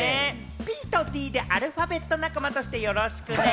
ＰとＤでアルファベット仲間として、よろしくね。